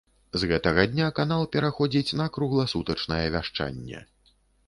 З гэтага дня канал пераходзіць на кругласутачнае вяшчанне.